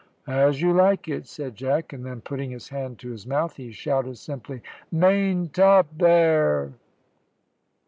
"As you like it," said Jack, and then, putting his hand to his mouth, he shouted simply, "Maintop there!"